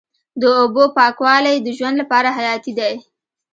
د اوبو پاکوالی د ژوند لپاره حیاتي دی.